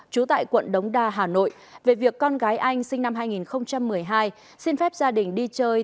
trú tại quận đống đa hà nội về việc con gái anh sinh năm hai nghìn một mươi hai xin phép gia đình đi chơi